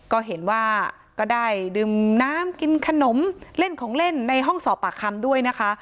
ก็เห็นว่าก็ได้ดื่มน้ำกินขนมเล่นของเล่นในห้องสอบปากคำด้วยนะคะ